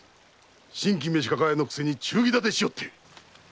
新規召し抱えのくせに忠義だてしおって。